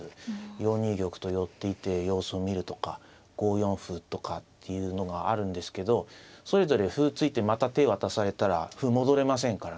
４二玉と寄っていって様子を見るとか５四歩とかっていうのがあるんですけどそれぞれ歩突いてまた手渡されたら歩戻れませんからね。